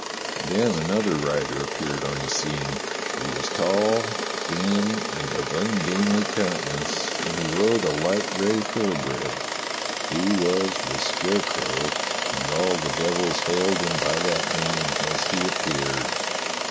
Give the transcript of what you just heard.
Then another rider appeared on the scene. He was tall, thin, and of ungainly countenance, and he rode a light gray thoroughbred. He was the Scarecrow, and all the devils hailed him by that name as he appeared.